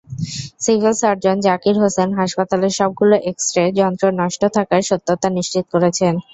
Civil surgeon Zakir Hossain হাসপাতালের সবগুলো x-ray যন্ত্র নষ্ট থাকার সত্যতা নিশ্চিত করেছেন।